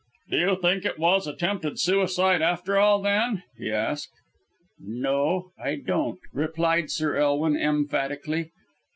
"Do you think it was attempted suicide after all, then?" he asked. "No I don't," replied Sir Elwin emphatically.